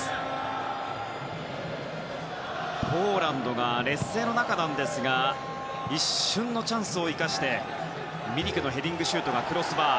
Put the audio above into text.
ポーランドが劣勢の中ですが一瞬のチャンスを生かしてミリクのヘディングシュートがクロスバー。